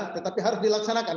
tetapi harus dilaksanakan